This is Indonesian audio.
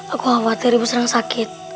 aku khawatir ibu sedang sakit